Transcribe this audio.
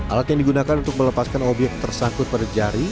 alat yang digunakan untuk melepaskan obyek tersangkut pada jari